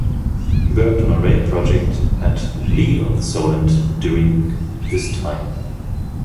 He worked on a rail project at Lee-on-the-Solent during this time.